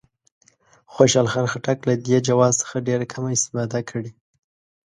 خوشحال خان خټک له دې جواز څخه ډېره کمه استفاده کړې.